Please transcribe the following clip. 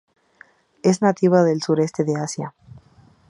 Es nativa del sureste de Asia.